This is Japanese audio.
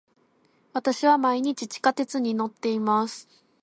私は毎日地下鉄に乗っています。